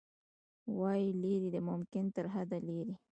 وايي، لیرې د ممکن ترحده لیرې